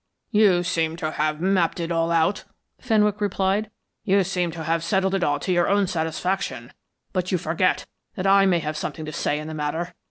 "You seem to have mapped it all out," Fenwick replied. "You seem to have settled it all to your own satisfaction, but you forget that I may have something to say in the matter.